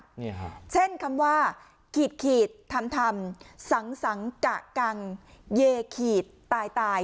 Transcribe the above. นี่ฮะเช่นคำว่าขีดขีดทำทำสังสังกะกังเยขีดตายตาย